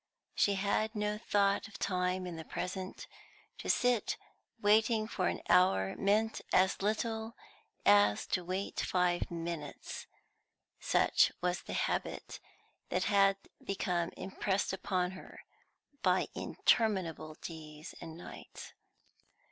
She had no thought of time in the present; to sit waiting for an hour meant as little as to wait five minutes; such was the habit that had become impressed upon her by interminable days and nights.